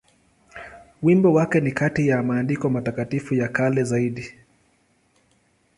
Wimbo wake ni kati ya maandiko matakatifu ya kale zaidi.